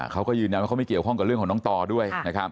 เขาก็ยืนยันว่าเขาไม่เกี่ยวข้องกับเรื่องของน้องต่อด้วยนะครับ